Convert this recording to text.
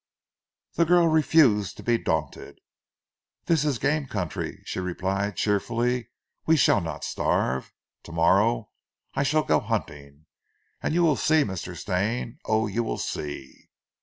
The girl refused to be daunted. "This is a game country," she replied cheerfully. "We shall not starve. Tomorrow I shall go hunting and you will see, Mr. Stane, oh, you will see!